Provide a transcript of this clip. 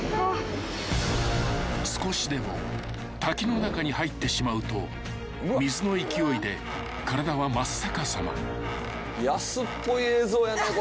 ［少しでも滝の中に入ってしまうと水の勢いで体は真っ逆さま］